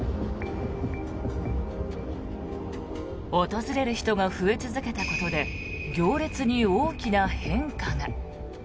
訪れる人が増え続けたことで行列に大きな変化が。